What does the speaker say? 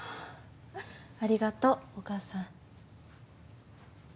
ありがとうお母さん。